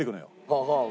はあはあ。